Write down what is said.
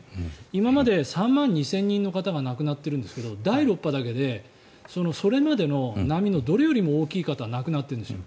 今まで３万２０００人の方が亡くなってるんですけど第６波だけで、それまでのどの波よりも大きい方が亡くなっているんです。